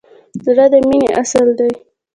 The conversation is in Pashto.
زړه د مینې اصل دی.